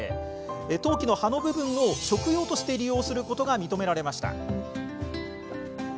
当帰の葉の部分を食用として利用することが認められました。